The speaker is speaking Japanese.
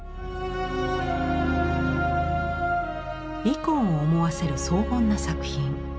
イコンを思わせる荘厳な作品。